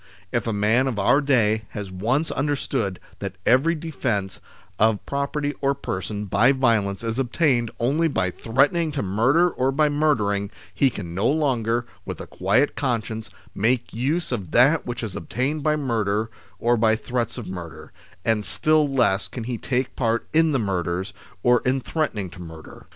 If a man of our day has once understood that every defence of property or person by violence is obtained only by threatening to murder or by murdering, he can no longer, with a quiet conscience, make use of that which is obtained by murder or by threats of murder, and still less can he take part in the murders, or in threaten ing to murder.